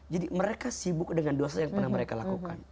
jadi mereka sibuk dengan dosa yang pernah mereka lakukan